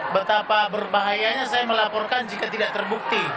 betapa berbahayanya saya melaporkan jika tidak terbukti